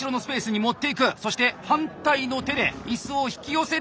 そして反対の手でいすを引き寄せる。